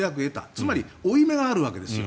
つまり負い目があるわけですよ。